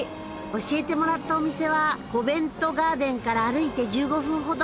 教えてもらったお店はコベントガーデンから歩いて１５分ほど。